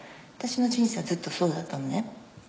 私の人生はずっとそうだったのね。